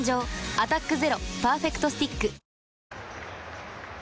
「アタックＺＥＲＯパーフェクトスティック」